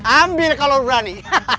ambil kalo berani